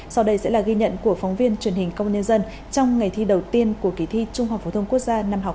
sau đây sẽ là ghi nhận của phóng viên truyền hình công an nhân dân trong ngày thi đầu tiên của kỳ thi trung học phổ thông quốc gia năm học hai nghìn hai mươi